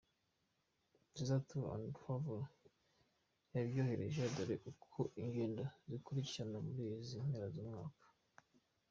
Nziza Tours and Travel yabyoroheje dore uko ingendo zizakurikirana muri izi mpera z’umwaka:.